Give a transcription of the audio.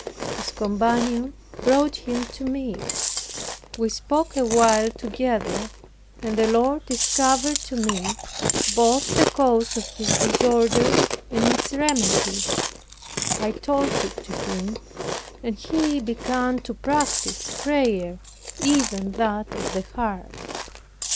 His companion brought him to me. We spoke awhile together, and the Lord discovered to me both the cause of his disorder and its remedy. I told it to him; and he began to practice prayer, even that of the heart.